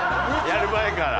やる前から。